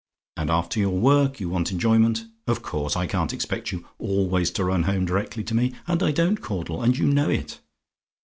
And after your work you want enjoyment. Of course, I can't expect you always to run home directly to me: and I don't, Caudle; and you know it.